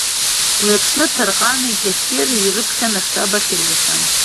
Уи аҽны Ҭарҟани Кьахьыри ирыԥхьаны аштаб ахь иргахьан.